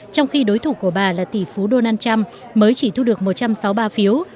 trong khi đối thủ của bà là tỷ phú donald trump mới chỉ thu được một trăm sáu mươi ba phiếu